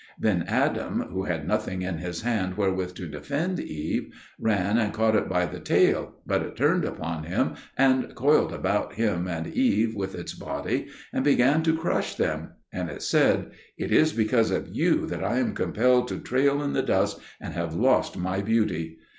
Then Adam, who had nothing in his hand wherewith to defend Eve, ran and caught it by the tail, but it turned upon him and coiled about him and Eve with its body and began to crush them; and it said, "It is because of you that I am compelled to trail in the dust and have lost my beauty."